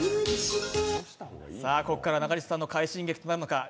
ここから中西さんの快進撃となるのか？